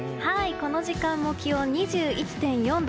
この時間の気温２１．４度。